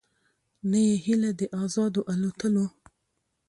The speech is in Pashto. نه یې هیله د آزادو الوتلو